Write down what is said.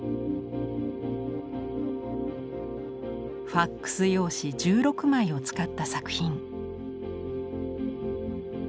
ファックス用紙１６枚を使った作品。